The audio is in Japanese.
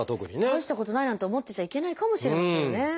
たいしたことないなんて思ってちゃいけないかもしれないですよね。